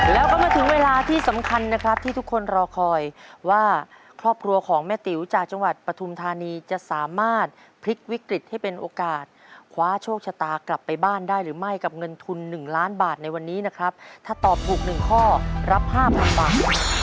แล้วก็มาถึงเวลาที่สำคัญนะครับที่ทุกคนรอคอยว่าครอบครัวของแม่ติ๋วจากจังหวัดปฐุมธานีจะสามารถพลิกวิกฤตให้เป็นโอกาสคว้าโชคชะตากลับไปบ้านได้หรือไม่กับเงินทุน๑ล้านบาทในวันนี้นะครับถ้าตอบถูกหนึ่งข้อรับ๕๐๐บาท